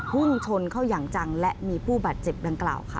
พุ่งชนเข้าอย่างจังและมีผู้บาดเจ็บดังกล่าวค่ะ